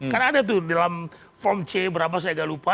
karena ada tuh dalam form c berapa saya agak lupa